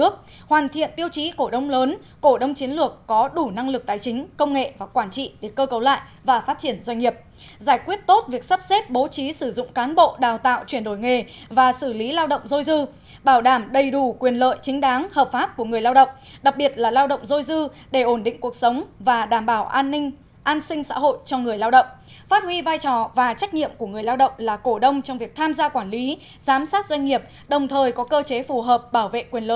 chiến lược có đủ năng lực tài chính công nghệ và quản trị để cơ cấu lại và phát triển doanh nghiệp giải quyết tốt việc sắp xếp bố trí sử dụng cán bộ đào tạo chuyển đổi nghề và xử lý lao động dôi dư bảo đảm đầy đủ quyền lợi chính đáng hợp pháp của người lao động đặc biệt là lao động dôi dư để ổn định cuộc sống và đảm bảo an ninh an sinh xã hội cho người lao động phát huy vai trò và trách nhiệm của người lao động là cổ đông trong việc tham gia quản lý giám sát doanh nghiệp đồng thời có cơ chế phù hợp bảo